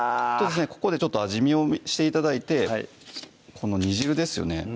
ここでちょっと味見をして頂いてこの煮汁ですよね